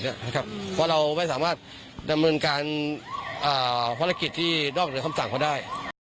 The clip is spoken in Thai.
เพราะเราไม่สามารถทำเครื่องการธุรกิจที่นอกเหลือคำสั่งพอได้